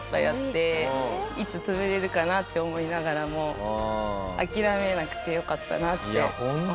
いつ潰れるかなって思いながらも諦めなくてよかったなって思います。